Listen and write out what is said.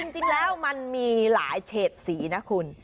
จริงแล้วมันมีหลายเฉดสีนะคุณ